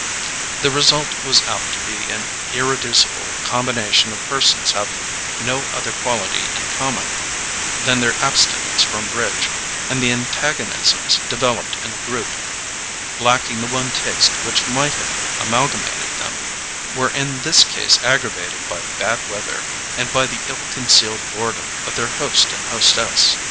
The result was apt to be an irreducible combination of persons having no other quality in common than their abstinence from bridge, and the antagonisms developed in a group lacking the one taste which might have amalgamated them, were in this case aggravated by bad weather, and by the ill concealed boredom of their host and hostess.